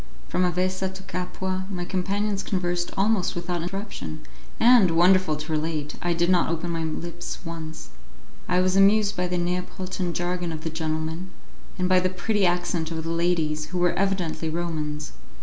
From Avessa to Capua my companions conversed almost without interruption, and, wonderful to relate! I did not open my lips once. I was amused by the Neapolitan jargon of the gentleman, and by the pretty accent of the ladies, who were evidently Romans.